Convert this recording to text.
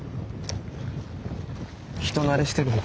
人なれしてる。